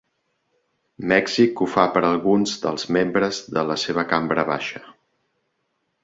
Mèxic ho fa per a alguns dels membres de la seva cambra baixa.